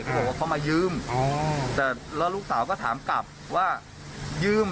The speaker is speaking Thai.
เขาบอกว่าเขามายืมแล้วลูกสาวก็ถามกลับว่ายืม